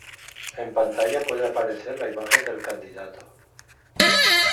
En pantalla puede aparecer la imagen del candidato.